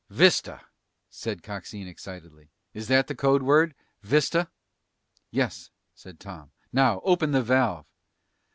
'" "Vista?" said Coxine excitedly. "Is that the code word? Vista?" "Yes," said Tom. "Now open the valve!"